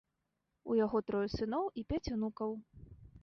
У яго трое сыноў і пяць унукаў.